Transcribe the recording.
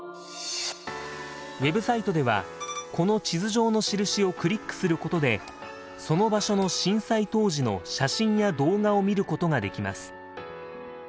Ｗｅｂサイトではこの地図上の印をクリックすることでその場所の震災当時の写真や動画を見ることができます。